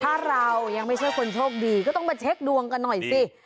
ถ้าเรายังไม่ใช่คนโชคดีก็ต้องมาเช็คดวงกันหน่อยสิ